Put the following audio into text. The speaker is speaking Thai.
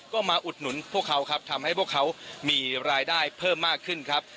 ก็มาอุดหนุนพวกเขาครับทำให้พวกเขามีรายได้เพิ่มมากขึ้นครับ